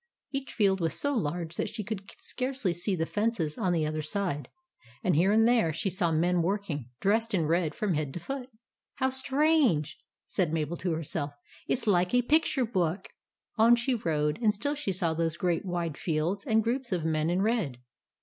Each field was so large that she could scarcely see the fences on the other side; and here and there she saw men working, dressed in red from head to foot. " How strange !" said Mabel to herself. " It 's like a picture book." On she rode, and still she saw these great wide fields and groups of men in red.